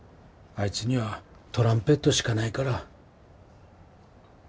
あいつにはトランペットしかないから。